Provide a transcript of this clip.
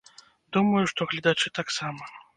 Думаю, што гледачы таксама.